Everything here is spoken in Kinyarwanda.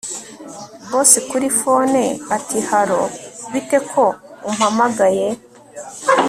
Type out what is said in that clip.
Boss kuri phone atihallo bite ko umpamagaye